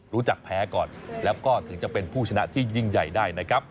รู้จักแพ้ก่อนแล้วก็ถึงจะเป็นผู้ชนะที่ยิ่งใหญ่ได้นะครับ